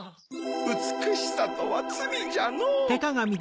うつくしさとはつみじゃのう。